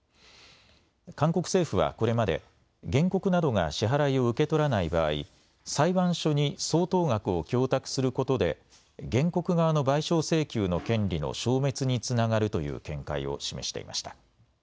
韓国政府はこれまで原告などが支払いを受け取らない場合、裁判所に相当額を供託することで原告側の賠償請求の権利の消滅につながるという見解を示していました。